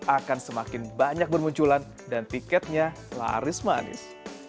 akan semakin banyak bermunculan dan tiketnya laris manis